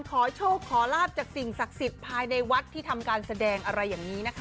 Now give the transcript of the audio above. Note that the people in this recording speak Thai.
ขอโชคขอลาบจากสิ่งศักดิ์สิทธิ์ภายในวัดที่ทำการแสดงอะไรอย่างนี้นะคะ